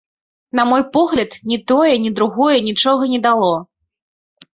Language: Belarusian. На мой погляд, ні тое, ні другое нічога не дало.